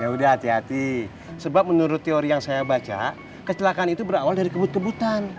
ya udah hati hati sebab menurut teori yang saya baca kecelakaan itu berawal dari kebut kebutan